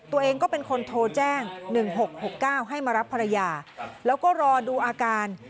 ตัวเองก็เป็นคนโทรแจ้งหนึ่งหกหกเก้าให้มารับภรรยาแล้วก็รอดูอาการ